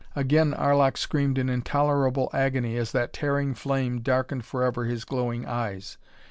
Again Arlok screamed in intolerable agony as that tearing flame darkened forever his glowing eyes.